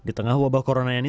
di tengah wabah corona ini